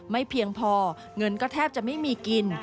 ไม่เพียงพอเงินก็แทบจะไม่มีกิน